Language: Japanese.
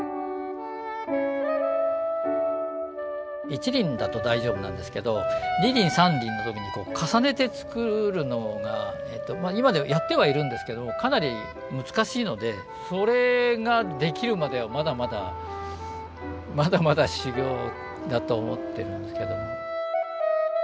一輪だと大丈夫なんですけど二輪三輪の時に重ねて作るのが今ではやってはいるんですけどかなり難しいのでそれができるまではまだまだまだまだ修業だと思ってるんですけども。